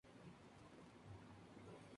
Una excepción es la contención, en Steward, Inc.